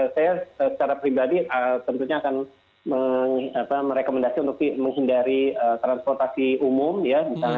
saya secara pribadi tentunya akan merekomendasi untuk menghindari transportasi umum ya